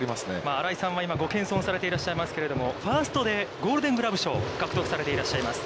新井さんはご謙遜されていらっしゃいますけれども、ファーストでゴールデングラブ賞を獲得されていらっしゃいます。